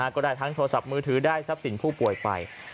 ก็ได้ทั้งโทรศัพท์มือถือได้ทรัพย์สินผู้ป่วยไป